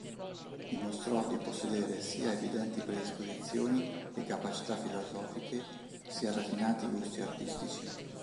Dimostrò di possedere sia evidenti predisposizioni e capacità filosofiche sia raffinati gusti artistici.